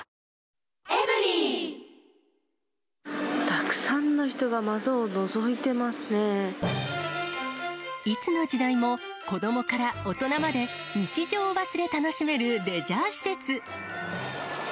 たくさんの人が窓をのぞいていつの時代も子どもから大人まで、日常を忘れ楽しめるレジャー施設。